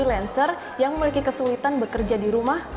atau freelancer yang memiliki kesulitan bekerja di rumah